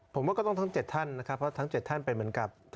ผมว่าก็ต้องทั้ง๗ท่านนะครับเพราะทั้ง๗ท่านเป็นเหมือนกับ